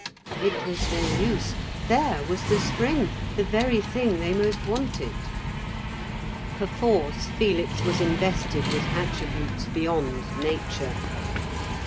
It was no use; there was the spring, the very thing they most wanted. Perforce Felix was invested with attributes beyond nature.